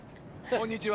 こんにちは！